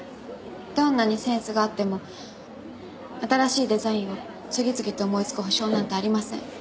どんなにセンスがあっても新しいデザインを次々と思いつく保証なんてありません。